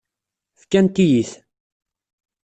Fkant-iyi-t.